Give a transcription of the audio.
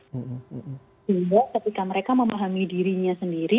sehingga ketika mereka memahami dirinya sendiri